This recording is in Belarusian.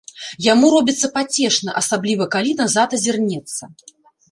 Яму робіцца пацешна, асабліва калі назад азірнецца.